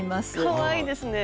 かわいいですね。